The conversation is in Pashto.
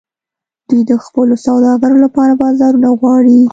دوی د خپلو سوداګرو لپاره بازارونه غواړي